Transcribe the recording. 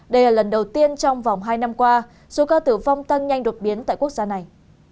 đây là lần đầu tiên trong vòng hai năm qua số ca tử vong tăng nhanh đột biến tại quốc gia này